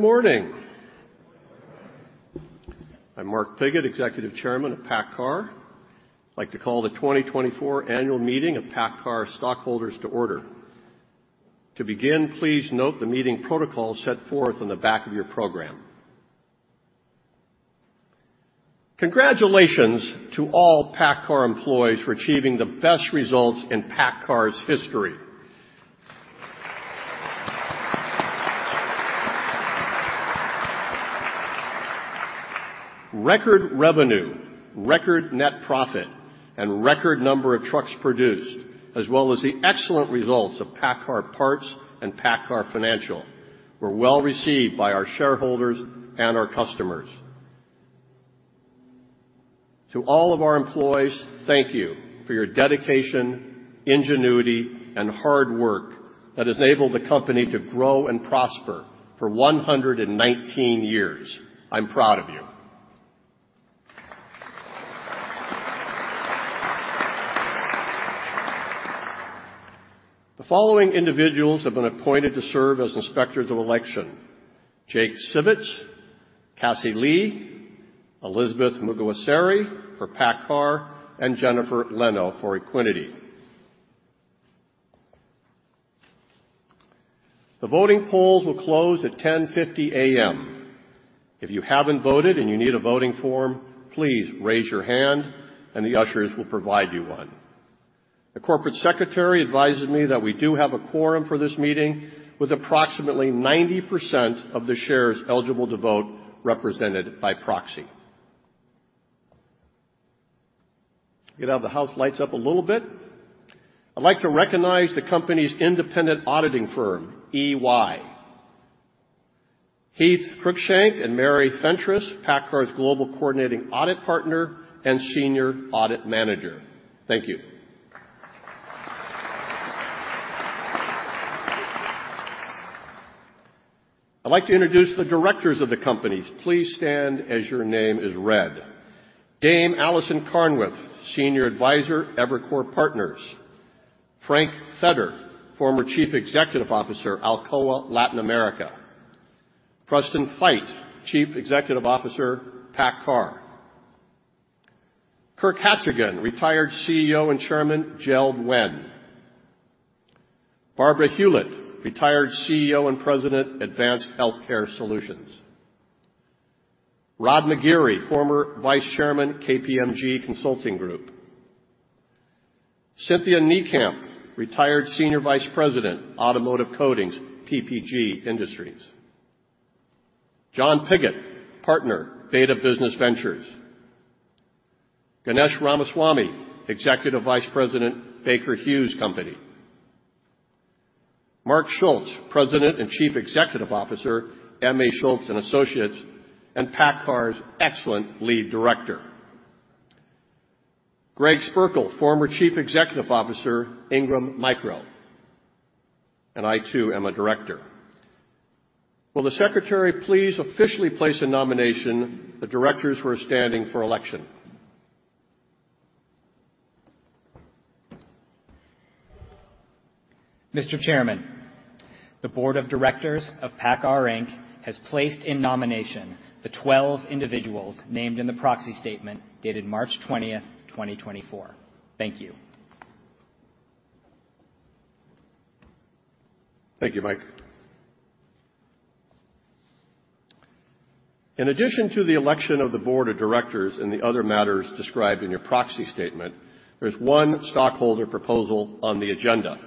Good morning. I'm Mark Pigott, Executive Chairman of PACCAR. I'd like to call the 2024 annual meeting of PACCAR Stockholders to order. To begin, please note the meeting protocol set forth on the back of your program. Congratulations to all PACCAR employees for achieving the best results in PACCAR's history. Record revenue, record net profit, and record number of trucks produced, as well as the excellent results of PACCAR Parts and PACCAR Financial, were well received by our shareholders and our customers. To all of our employees, thank you for your dedication, ingenuity, and hard work that has enabled the company to grow and prosper for 119 years. I'm proud of you. The following individuals have been appointed to serve as inspectors of election: Jake Civits, Cassie Lee, Elizabeth Mugwasari for PACCAR, and Jennifer Leno for Equiniti. The voting polls will close at 10:50 A.M. If you haven't voted and you need a voting form, please raise your hand, and the ushers will provide you one. The Corporate Secretary advised me that we do have a quorum for this meeting, with approximately 90% of the shares eligible to vote represented by proxy. I'm going to have the house lights up a little bit. I'd like to recognize the company's independent auditing firm, EY. Heath Cruickshank and Mary Fentress, PACCAR's global coordinating audit partner and senior audit manager. Thank you. I'd like to introduce the directors of the company. Please stand as your name is read. Dame Alison Carnwath, Senior Advisor Evercore. Franklin Feder, former Chief Executive Officer Alcoa Latin America. Preston Feight, Chief Executive Officer PACCAR. Kirk Hachigian, retired CEO and Chairman JELD-WEN. Barbara Hulit, retired CEO and President Advanced Healthcare Solutions. Roderick McGeary, former Vice Chairman KPMG Consulting Group. Cynthia Niekamp, retired Senior Vice President Automotive Coatings, PPG Industries. John Pigott, Partner, Beta Business Ventures. Ganesh Ramaswamy, Executive Vice President Baker Hughes Company. Mark Schulz, President and Chief Executive Officer M.A. Schulz & Associates, and PACCAR's excellent lead director. Greg Spierkel, former Chief Executive Officer Ingram Micro, and I too am a director. Will the Secretary please officially place in nomination the directors who are standing for election? Mr. Chairman, the Board of Directors of PACCAR Inc. has placed in nomination the 12 individuals named in the proxy statement dated March 20th, 2024. Thank you. Thank you, Mike. In addition to the election of the Board of Directors and the other matters described in your proxy statement, there's one stockholder proposal on the agenda.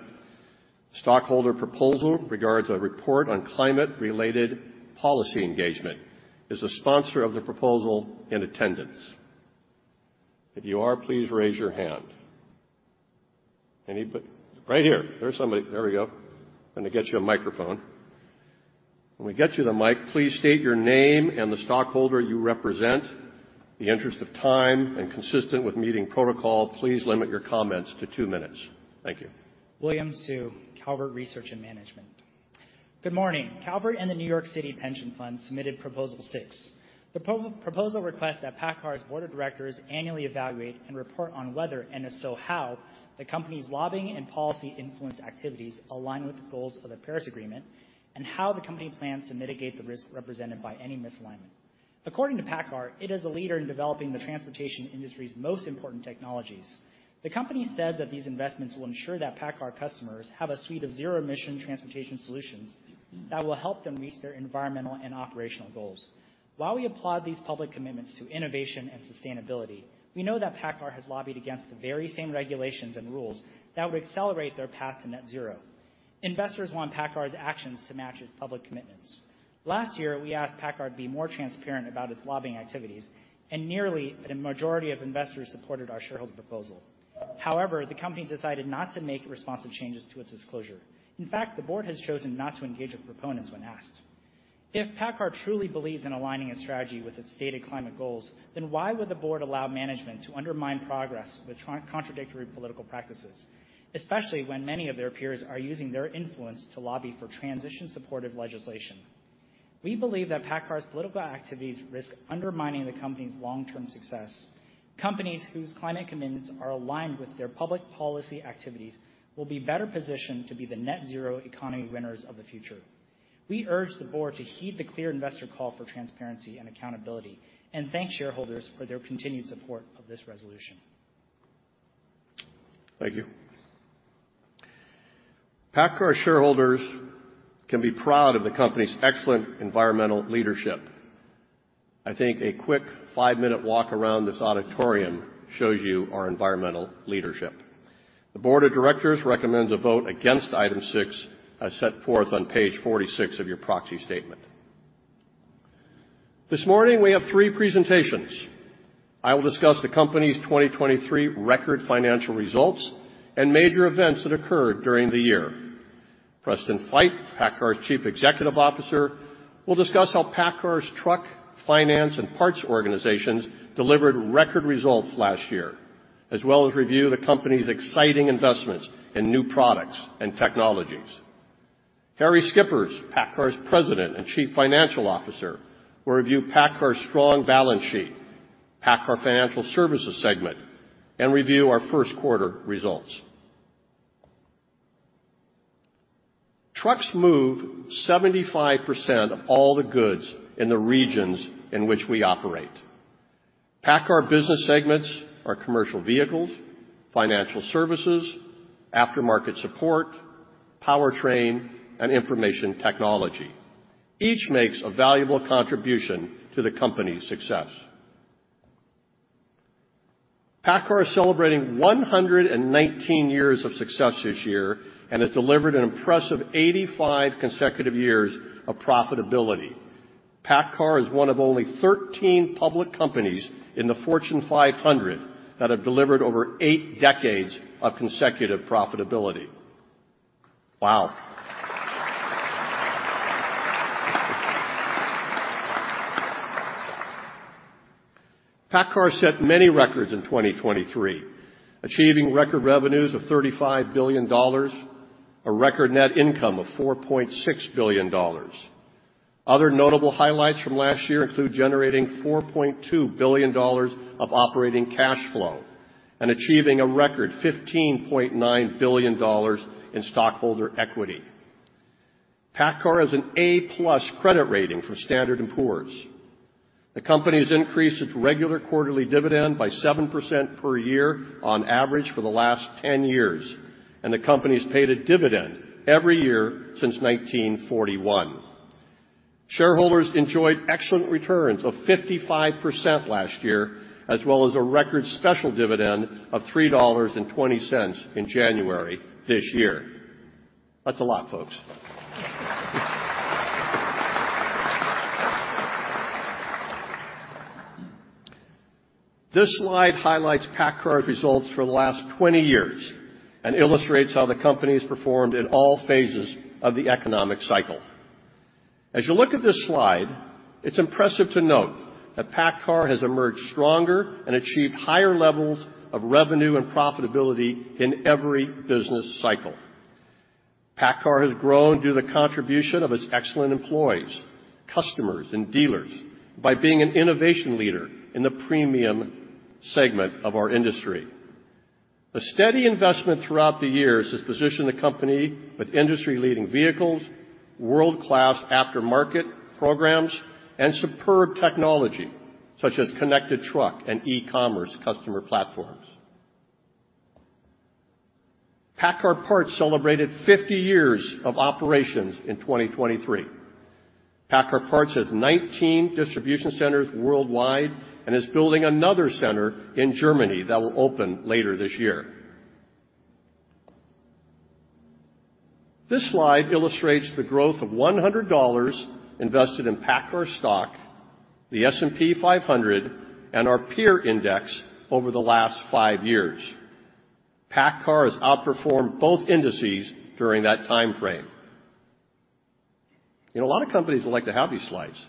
Stockholder proposal regards a report on climate-related policy engagement. Is the sponsor of the proposal in attendance? If you are, please raise your hand. Anybody right here. There's somebody. There we go. I'm going to get you a microphone. When we get you the mic, please state your name and the stockholder you represent. In the interest of time and consistent with meeting protocol, please limit your comments to two minutes. Thank you. William Su, Calvert Research and Management. Good morning. Calvert and the New York City Pension Fund submitted Proposal six, the proposal request that PACCAR's Board of Directors annually evaluate and report on whether, and if so how, the company's lobbying and policy influence activities align with the goals of the Paris Agreement and how the company plans to mitigate the risk represented by any misalignment. According to PACCAR, it is a leader in developing the transportation industry's most important technologies. The company says that these investments will ensure that PACCAR customers have a suite of zero-emission transportation solutions that will help them reach their environmental and operational goals. While we applaud these public commitments to innovation and sustainability, we know that PACCAR has lobbied against the very same regulations and rules that would accelerate their path to net zero. Investors want PACCAR's actions to match its public commitments. Last year, we asked PACCAR to be more transparent about its lobbying activities, and nearly a majority of investors supported our shareholder proposal. However, the company decided not to make responsive changes to its disclosure. In fact, the board has chosen not to engage with proponents when asked. If PACCAR truly believes in aligning its strategy with its stated climate goals, then why would the board allow management to undermine progress with contradictory political practices, especially when many of their peers are using their influence to lobby for transition-supportive legislation? We believe that PACCAR's political activities risk undermining the company's long-term success. Companies whose climate commitments are aligned with their public policy activities will be better positioned to be the net zero economy winners of the future. We urge the board to heed the clear investor call for transparency and accountability and thank shareholders for their continued support of this resolution. Thank you. PACCAR shareholders can be proud of the company's excellent environmental leadership. I think a quick five-minute walk around this auditorium shows you our environmental leadership. The Board of Directors recommends a vote against item six as set forth on page 46 of your proxy statement. This morning, we have three presentations. I will discuss the company's 2023 record financial results and major events that occurred during the year. Preston Feight, PACCAR's Chief Executive Officer, will discuss how PACCAR's truck finance and parts organizations delivered record results last year, as well as review the company's exciting investments in new products and technologies. Harrie Schippers, PACCAR's President and Chief Financial Officer, will review PACCAR's strong balance sheet, PACCAR Financial Services segment, and review our first quarter results. Trucks move 75% of all the goods in the regions in which we operate. PACCAR business segments are commercial vehicles, financial services, aftermarket support, powertrain, and information technology. Each makes a valuable contribution to the company's success. PACCAR is celebrating 119 years of success this year and has delivered an impressive 85 consecutive years of profitability. PACCAR is one of only 13 public companies in the Fortune 500 that have delivered over eight decades of consecutive profitability. Wow. PACCAR set many records in 2023, achieving record revenues of $35 billion, a record net income of $4.6 billion. Other notable highlights from last year include generating $4.2 billion of operating cash flow and achieving a record $15.9 billion in stockholder equity. PACCAR has an A+ credit rating from Standard & Poor's. The company has increased its regular quarterly dividend by 7% per year on average for the last 10 years, and the company has paid a dividend every year since 1941. Shareholders enjoyed excellent returns of 55% last year, as well as a record special dividend of $3.20 in January this year. That's a lot, folks. This slide highlights PACCAR's results for the last 20 years and illustrates how the company has performed in all phases of the economic cycle. As you look at this slide, it's impressive to note that PACCAR has emerged stronger and achieved higher levels of revenue and profitability in every business cycle. PACCAR has grown due to the contribution of its excellent employees, customers, and dealers by being an innovation leader in the premium segment of our industry. A steady investment throughout the years has positioned the company with industry-leading vehicles, world-class aftermarket programs, and superb technology such as connected truck and e-commerce customer platforms. PACCAR Parts celebrated 50 years of operations in 2023. PACCAR Parts has 19 distribution centers worldwide and is building another center in Germany that will open later this year. This slide illustrates the growth of $100 invested in PACCAR stock, the S&P 500, and our peer index over the last five years. PACCAR has outperformed both indices during that time frame. You know, a lot of companies would like to have these slides.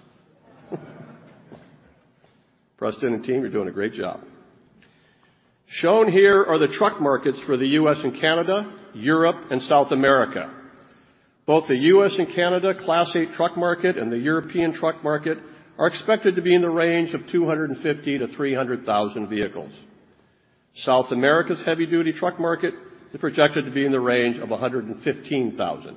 Preston and team, you're doing a great job. Shown here are the truck markets for the U.S. and Canada, Europe, and South America. Both the U.S. and Canada Class 8 truck market and the European truck market are expected to be in the range of 250,000-300,000 vehicles. South America's heavy-duty truck market is projected to be in the range of 115,000.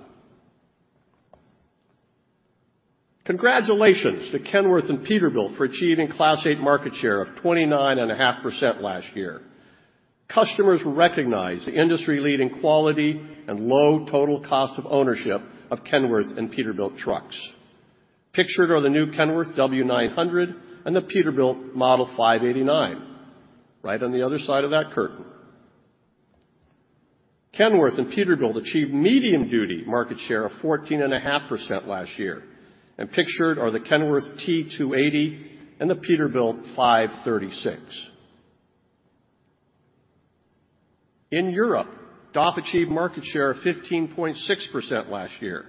Congratulations to Kenworth and Peterbilt for achieving Class 8 market share of 29.5% last year. Customers recognize the industry-leading quality and low total cost of ownership of Kenworth and Peterbilt trucks. Pictured are the new Kenworth W900 and the Peterbilt Model 589 right on the other side of that curtain. Kenworth and Peterbilt achieved medium-duty market share of 14.5% last year, and pictured are the Kenworth T280 and the Peterbilt 536. In Europe, DAF achieved market share of 15.6% last year.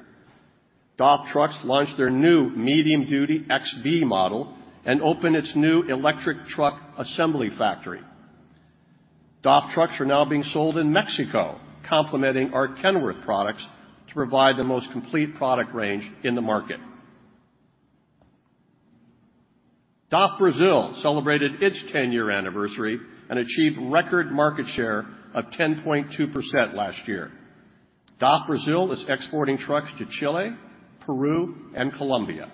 DAF trucks launched their new medium-duty XB model and opened its new electric truck assembly factory. DAF trucks are now being sold in Mexico, complementing our Kenworth products to provide the most complete product range in the market. DAF Brazil celebrated its 10-year anniversary and achieved record market share of 10.2% last year. DAF Brazil is exporting trucks to Chile, Peru, and Colombia.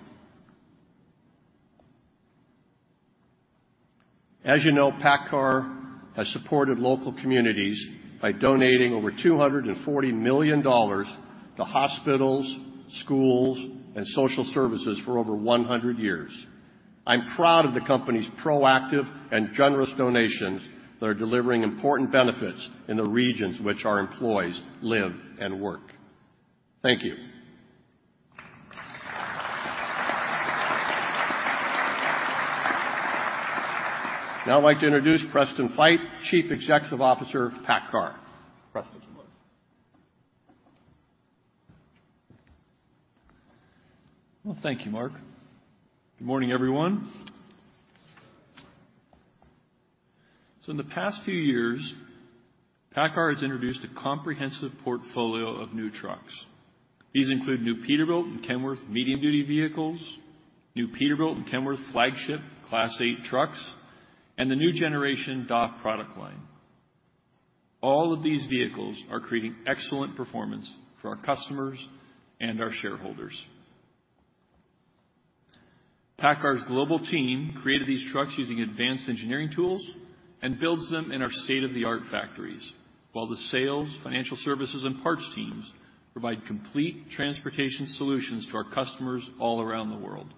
As you know, PACCAR has supported local communities by donating over $240 million to hospitals, schools, and social services for over 100 years. I'm proud of the company's proactive and generous donations that are delivering important benefits in the regions which our employees live and work. Thank you. Now I'd like to introduce Preston Feight, Chief Executive Officer PACCAR. Preston, you're welcome. Well, thank you, Mark. Good morning, everyone. So in the past few years, PACCAR has introduced a comprehensive portfolio of new trucks. These include new Peterbilt and Kenworth medium-duty vehicles, new Peterbilt and Kenworth flagship Class 8 trucks, and the new generation DAF product line. All of these vehicles are creating excellent performance for our customers and our shareholders. PACCAR's global team created these trucks using advanced engineering tools and builds them in our state-of-the-art factories, while the sales, financial services, and parts teams provide complete transportation solutions to our customers all around the world.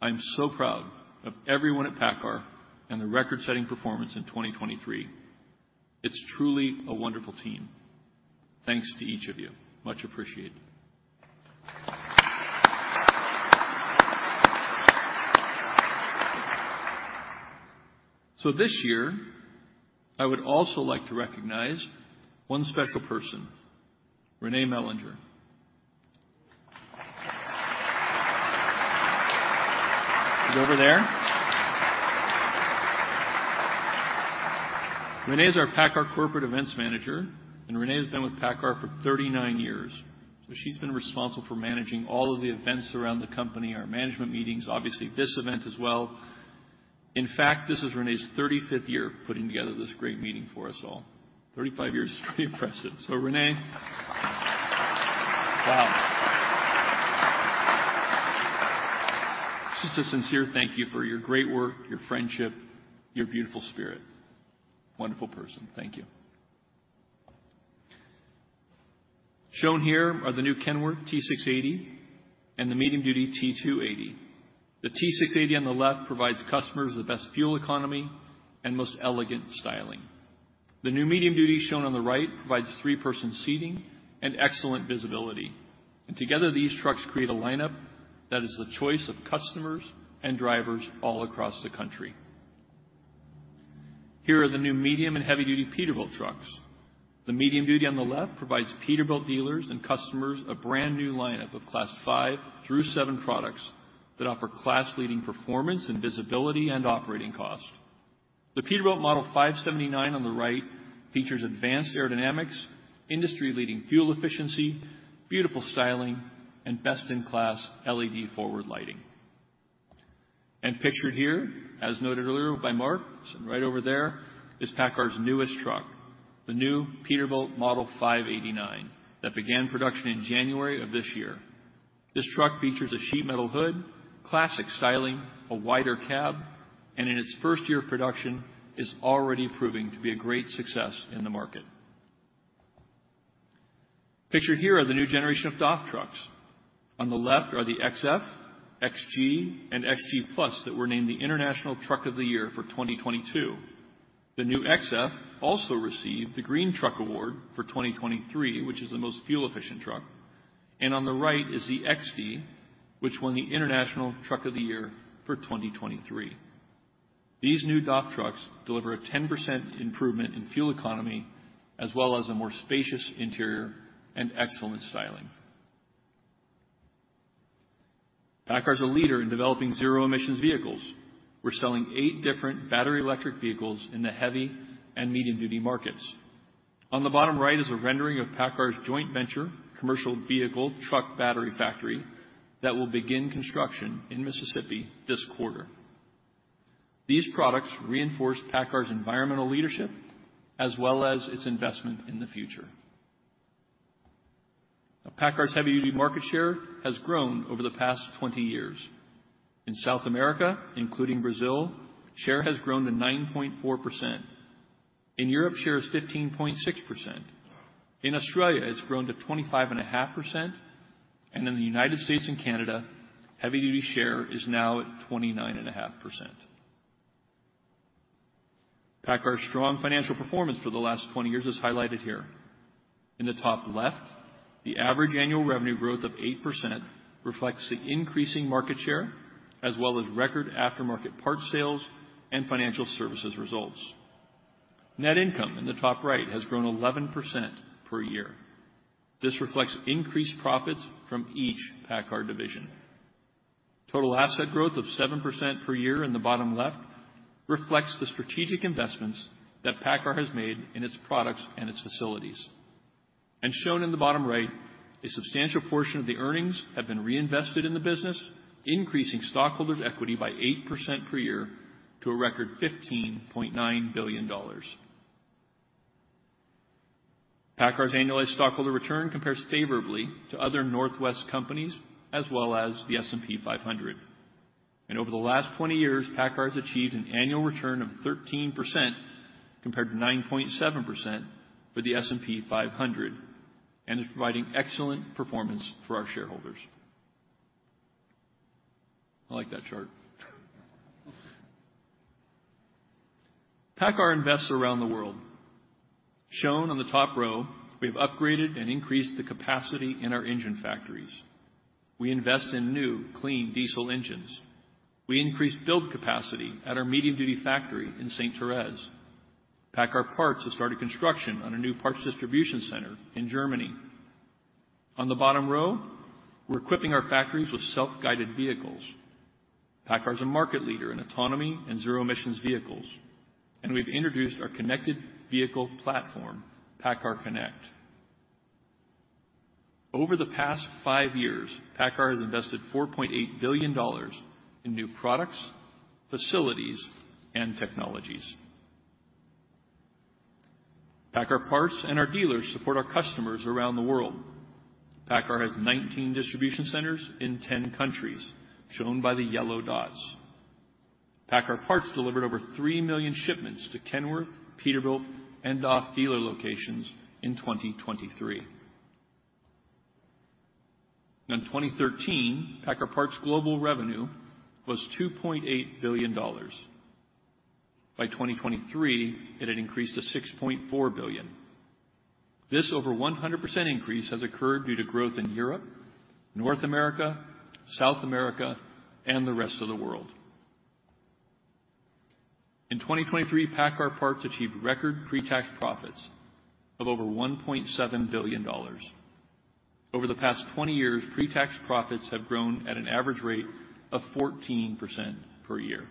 I'm so proud of everyone at PACCAR and the record-setting performance in 2023. It's truly a wonderful team. Thanks to each of you. Much appreciated. So this year, I would also like to recognize one special person, Renee Mellinger. Over there. Renee is our PACCAR corporate events manager, and Renee has been with PACCAR for 39 years. So she's been responsible for managing all of the events around the company, our management meetings, obviously this event as well. In fact, this is Renee's 35th year putting together this great meeting for us all. 35 years is pretty impressive. So, Renee, wow. Just a sincere thank you for your great work, your friendship, your beautiful spirit. Wonderful person. Thank you. Shown here are the new Kenworth T680 and the medium-duty T280. The T680 on the left provides customers the best fuel economy and most elegant styling. The new medium-duty shown on the right provides three-person seating and excellent visibility. And together, these trucks create a lineup that is the choice of customers and drivers all across the country. Here are the new medium and heavy-duty Peterbilt trucks. The medium-duty on the left provides Peterbilt dealers and customers a brand new lineup of Class 5 through 7 products that offer class-leading performance and visibility and operating cost. The Peterbilt Model 579 on the right features advanced aerodynamics, industry-leading fuel efficiency, beautiful styling, and best-in-class LED forward lighting. Pictured here, as noted earlier by Mark, right over there is PACCAR's newest truck, the new Peterbilt Model 589 that began production in January of this year. This truck features a sheet metal hood, classic styling, a wider cab, and in its first year of production is already proving to be a great success in the market. Pictured here are the new generation of DAF trucks. On the left are the XF, XG, and XG+ that were named the International Truck of the Year for 2022. The new XF also received the Green Truck Award for 2023, which is the most fuel-efficient truck. On the right is the XD, which won the International Truck of the Year for 2023. These new DAF trucks deliver a 10% improvement in fuel economy as well as a more spacious interior and excellent styling. PACCAR is a leader in developing zero-emissions vehicles. We're selling eight different battery electric vehicles in the heavy and medium-duty markets. On the bottom right is a rendering of PACCAR's joint venture, commercial vehicle truck battery factory that will begin construction in Mississippi this quarter. These products reinforce PACCAR's environmental leadership as well as its investment in the future. Now, PACCAR's heavy-duty market share has grown over the past 20 years. In South America, including Brazil, share has grown to 9.4%. In Europe, share is 15.6%. In Australia, it's grown to 25.5%. In the United States and Canada, heavy-duty share is now at 29.5%. PACCAR's strong financial performance for the last 20 years is highlighted here. In the top left, the average annual revenue growth of 8% reflects the increasing market share as well as record aftermarket parts sales and financial services results. Net income in the top right has grown 11% per year. This reflects increased profits from each PACCAR division. Total asset growth of 7% per year in the bottom left reflects the strategic investments that PACCAR has made in its products and its facilities. And shown in the bottom right, a substantial portion of the earnings have been reinvested in the business, increasing stockholders' equity by 8% per year to a record $15.9 billion. PACCAR's annualized stockholder return compares favorably to other Northwest companies as well as the S&P 500. And over the last 20 years, PACCAR has achieved an annual return of 13% compared to 9.7% for the S&P 500 and is providing excellent performance for our shareholders. I like that chart. PACCAR invests around the world. Shown on the top row, we have upgraded and increased the capacity in our engine factories. We invest in new, clean diesel engines. We increased build capacity at our medium-duty factory in Sainte-Thérèse. PACCAR Parts has started construction on a new parts distribution center in Germany. On the bottom row, we're equipping our factories with self-guided vehicles. PACCAR is a market leader in autonomy and zero-emissions vehicles. And we've introduced our connected vehicle platform, PACCAR Connect. Over the past five years, PACCAR has invested $4.8 billion in new products, facilities, and technologies. PACCAR Parts and our dealers support our customers around the world. PACCAR has 19 distribution centers in 10 countries, shown by the yellow dots. PACCAR Parts delivered over 3 million shipments to Kenworth, Peterbilt, and DAF dealer locations in 2023. In 2013, PACCAR Parts' global revenue was $2.8 billion. By 2023, it had increased to $6.4 billion. This over 100% increase has occurred due to growth in Europe, North America, South America, and the rest of the world. In 2023, PACCAR Parts achieved record pre-tax profits of over $1.7 billion. Over the past 20 years, pre-tax profits have grown at an average rate of 14% per year.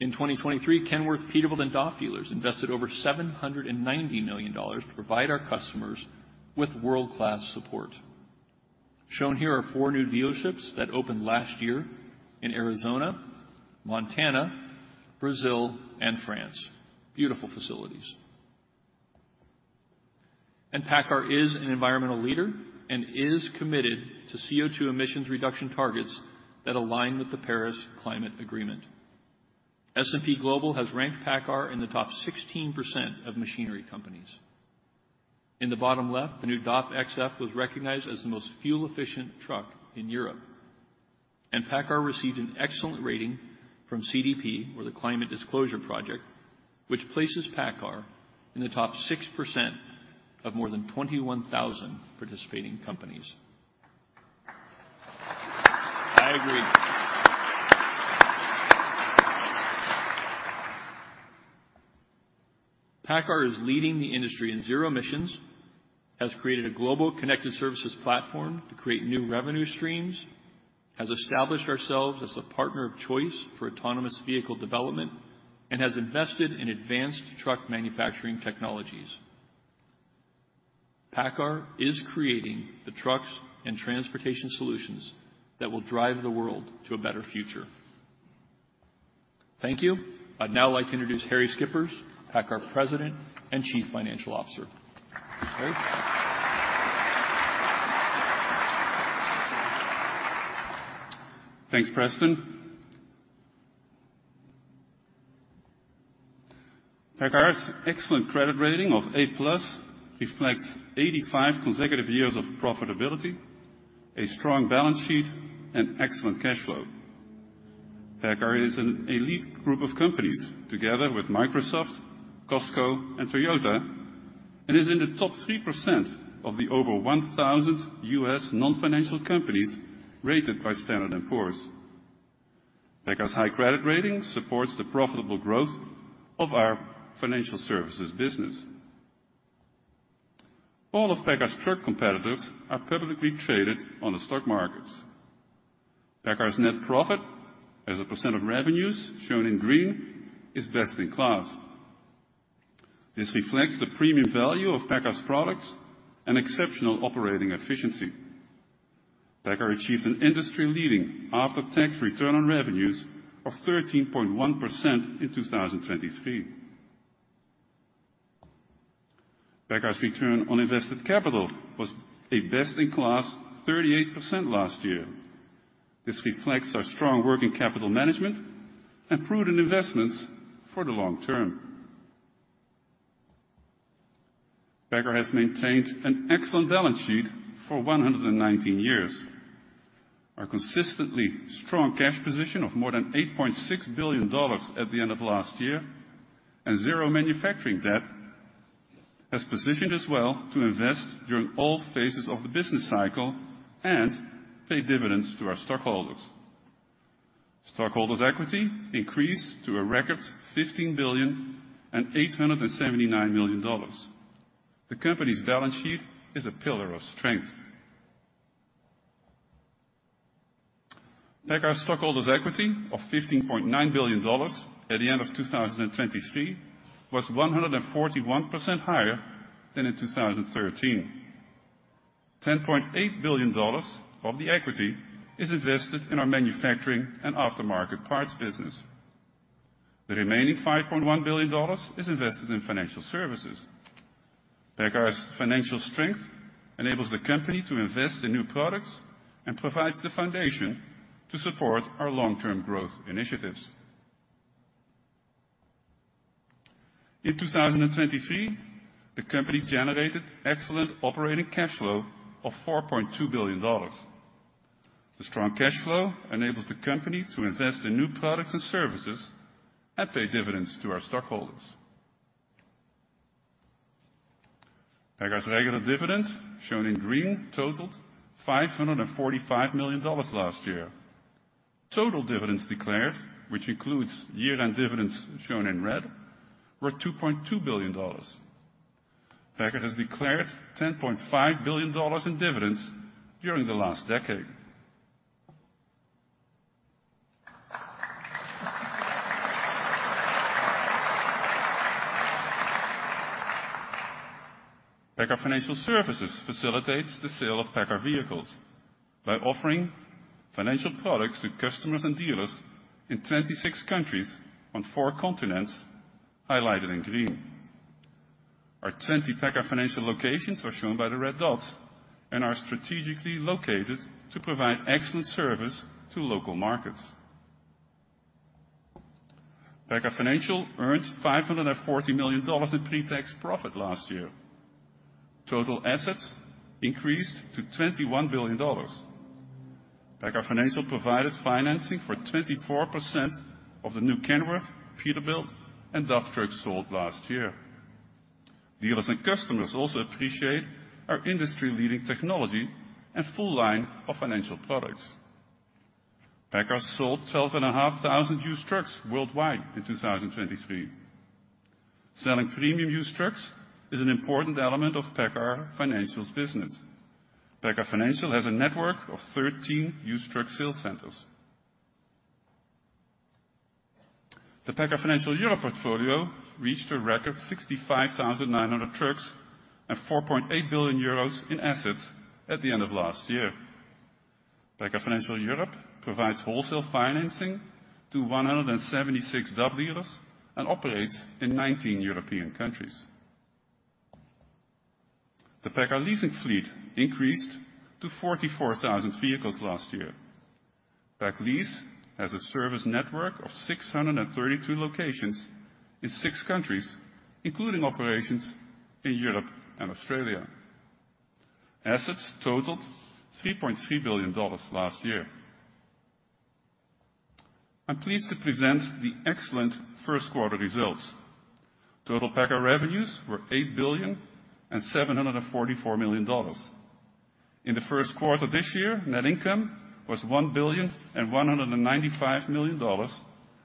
In 2023, Kenworth, Peterbilt, and DAF dealers invested over $790 million to provide our customers with world-class support. Shown here are four new dealerships that opened last year in Arizona, Montana, Brazil, and France. Beautiful facilities. PACCAR is an environmental leader and is committed to CO2 emissions reduction targets that align with the Paris Agreement. S&P Global has ranked PACCAR in the top 16% of machinery companies. In the bottom left, the new DAF XF was recognized as the most fuel-efficient truck in Europe. PACCAR received an excellent rating from CDP, or the Climate Disclosure Project, which places PACCAR in the top 6% of more than 21,000 participating companies. I agree. PACCAR is leading the industry in zero emissions, has created a global connected services platform to create new revenue streams, has established ourselves as the partner of choice for autonomous vehicle development, and has invested in advanced truck manufacturing technologies. PACCAR is creating the trucks and transportation solutions that will drive the world to a better future. Thank you. I'd now like to introduce Harrie Schippers, PACCAR President and Chief Financial Officer. Harrie? Thanks, Preston. PACCAR has an excellent credit rating of A+, reflects 85 consecutive years of profitability, a strong balance sheet, and excellent cash flow. PACCAR is an elite group of companies, together with Microsoft, Costco, and Toyota, and is in the top 3% of the over 1,000 U.S. non-financial companies rated by Standard & Poor's. PACCAR's high credit rating supports the profitable growth of our financial services business. All of PACCAR's truck competitors are publicly traded on the stock markets. PACCAR's net profit, as a percent of revenues shown in green, is best-in-class. This reflects the premium value of PACCAR's products and exceptional operating efficiency. PACCAR achieved an industry-leading after-tax return on revenues of 13.1% in 2023. PACCAR's return on invested capital was a best-in-class 38% last year. This reflects our strong working capital management and prudent investments for the long-term. PACCAR has maintained an excellent balance sheet for 119 years. Our consistently strong cash position of more than $8.6 billion at the end of last year and zero manufacturing debt has positioned us well to invest during all phases of the business cycle and pay dividends to our stockholders. Stockholders' equity increased to a record $15 billion and $879 million. The company's balance sheet is a pillar of strength. PACCAR's stockholders' equity of $15.9 billion at the end of 2023 was 141% higher than in 2013. $10.8 billion of the equity is invested in our manufacturing and aftermarket parts business. The remaining $5.1 billion is invested in financial services. PACCAR's financial strength enables the company to invest in new products and provides the foundation to support our long-term growth initiatives. In 2023, the company generated excellent operating cash flow of $4.2 billion. The strong cash flow enables the company to invest in new products and services and pay dividends to our stockholders. PACCAR's regular dividend, shown in green, totaled $545 million last year. Total dividends declared, which includes year-end dividends shown in red, were $2.2 billion. PACCAR has declared $10.5 billion in dividends during the last decade. PACCAR Financial Services facilitates the sale of PACCAR vehicles by offering financial products to customers and dealers in 26 countries on four continents, highlighted in green. Our 20 PACCAR Financial locations are shown by the red dots and are strategically located to provide excellent service to local markets. PACCAR Financial earned $540 million in pre-tax profit last year. Total assets increased to $21 billion. PACCAR Financial provided financing for 24% of the new Kenworth, Peterbilt, and DAF trucks sold last year. Dealers and customers also appreciate our industry-leading technology and full line of financial products. PACCAR sold 12,500 used trucks worldwide in 2023. Selling premium used trucks is an important element of PACCAR Financial's business. PACCAR Financial has a network of 13 used truck sales centers. The PACCAR Financial Europe portfolio reached a record 65,900 trucks and 4.8 billion euros in assets at the end of last year. PACCAR Financial Europe provides wholesale financing to 176 dealers and operates in 19 European countries. The PACCAR Leasing fleet increased to 44,000 vehicles last year. PACCAR Leasing has a service network of 632 locations in six countries, including operations in Europe and Australia. Assets totaled $3.3 billion last year. I'm pleased to present the excellent first-quarter results. Total PACCAR revenues were $8.744 billion. In the first quarter this year, net income was $1.195 billion,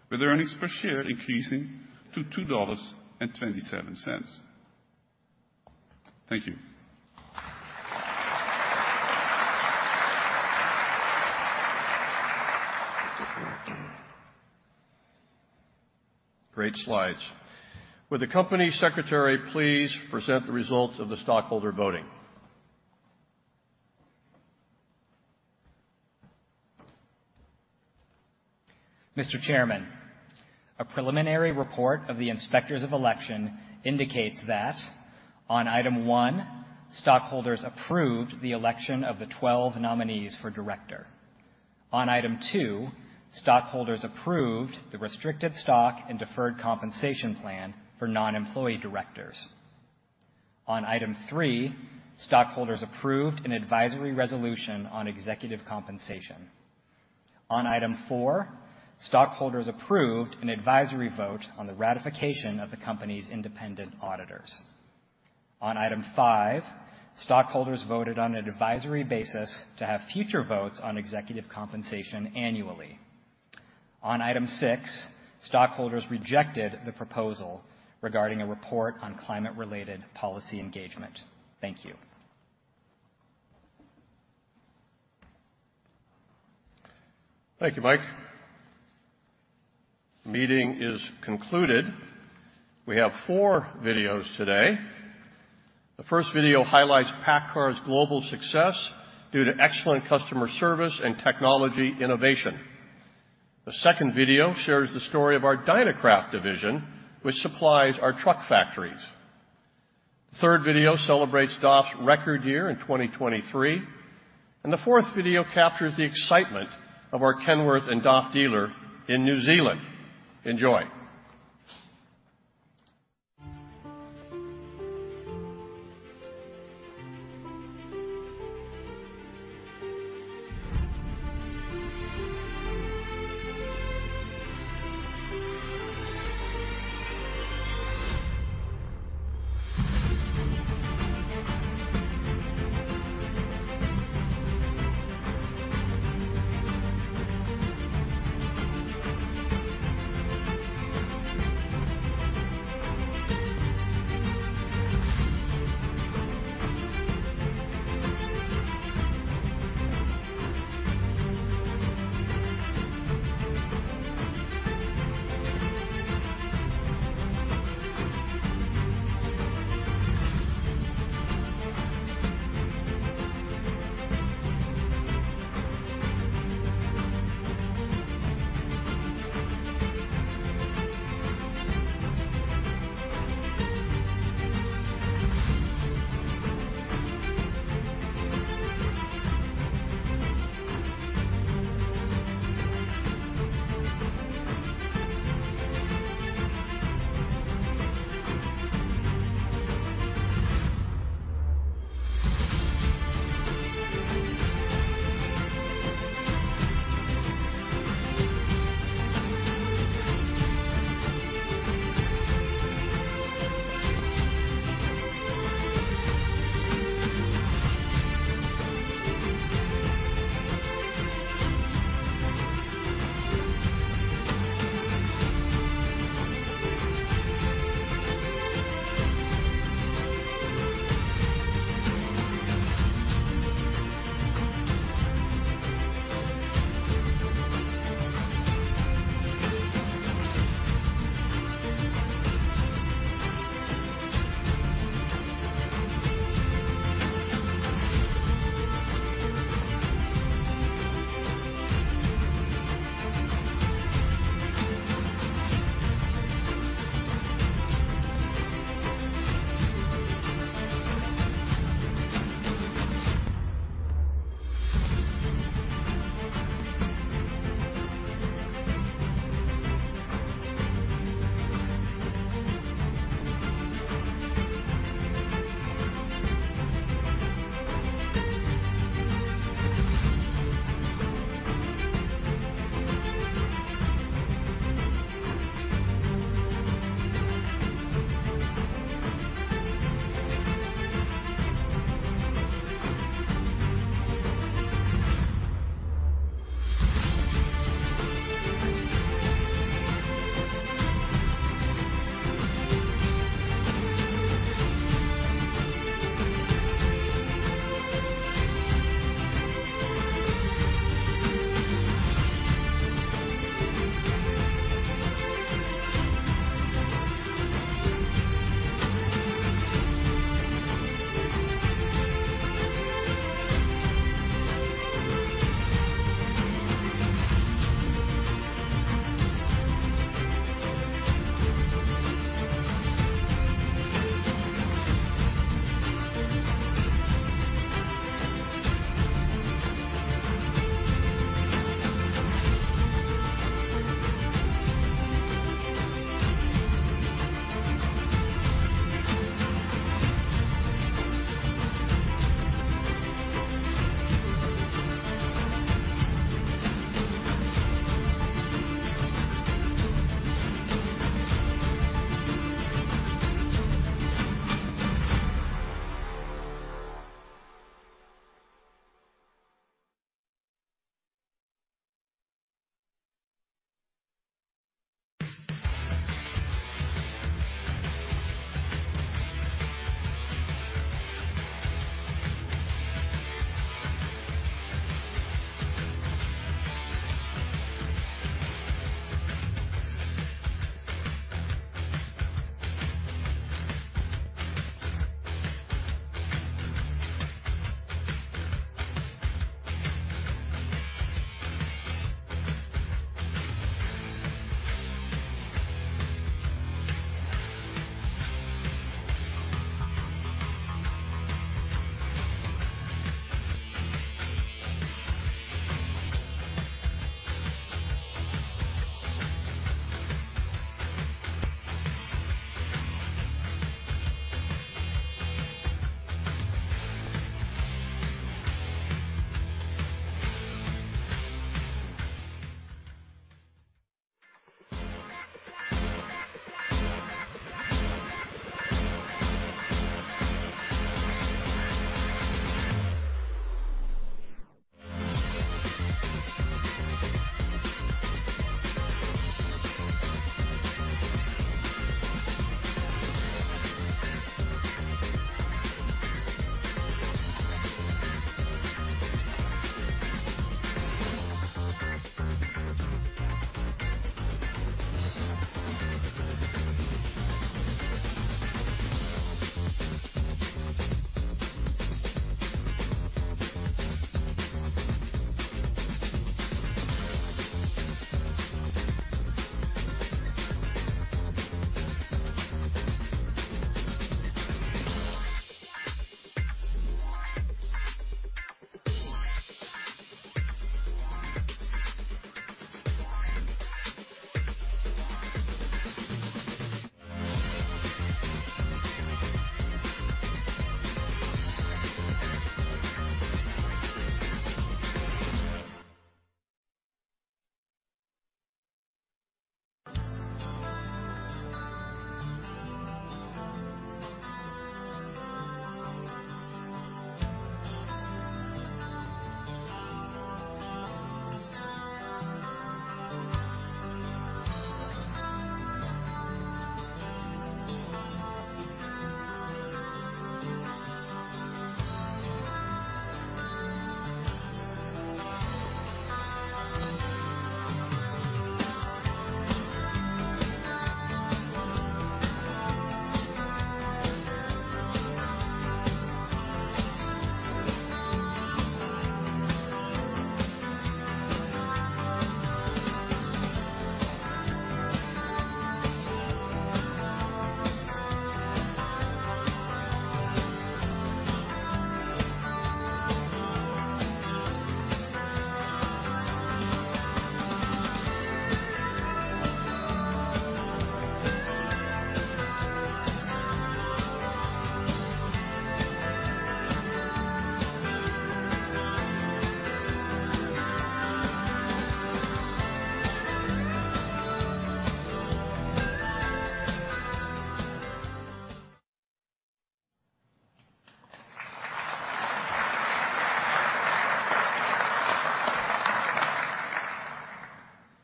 with earnings per share increasing to $2.27. Thank you. Great slides. Would the company secretary please present the results of the stockholder voting? Mr. Chairman, a preliminary report of the inspectors of election indicates that, on item one, stockholders approved the election of the 12 nominees for director. On item two, stockholders approved the restricted stock and deferred compensation plan for non-employee directors. On item three, stockholders approved an advisory resolution on executive compensation. On item four, stockholders approved an advisory vote on the ratification of the company's independent auditors. On item five, stockholders voted on an advisory basis to have future votes on executive compensation annually. On item six, stockholders rejected the proposal regarding a report on climate-related policy engagement. Thank you. Thank you, Mike. Meeting is concluded. We have four videos today. The first video highlights PACCAR's global success due to excellent customer service and technology innovation. The second video shares the story of our DynaCraft division, which supplies our truck factories. The third video celebrates DAF's record year in 2023. And the fourth video captures the excitement of our Kenworth and DAF dealer in New Zealand. Enjoy.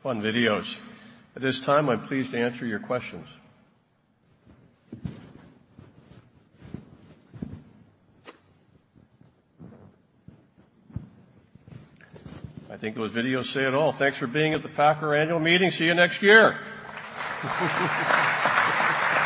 Fun videos. At this time, I'm pleased to answer your questions. I think those videos say it all. Thanks for being at the PACCAR annual meeting. See you next year.